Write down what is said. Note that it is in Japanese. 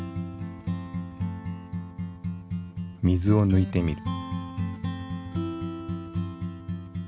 水を抜いてみる。